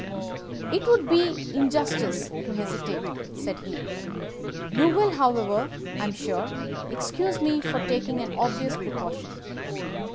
"'It would be injustice to hesitate,' said he. 'You will, however, I am sure, excuse me for taking an obvious precaution.